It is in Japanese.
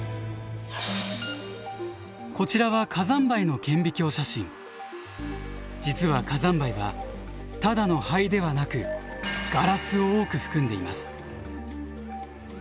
こちらは実は火山灰はただの灰ではなくガラスを多く含んでいます。